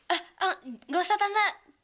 eh eh gak usah tante